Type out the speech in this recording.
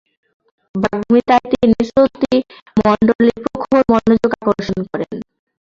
বাগ্মিতায় তিনি শ্রোতৃমণ্ডলীর প্রখর মনোযোগ আকর্ষণ করেন।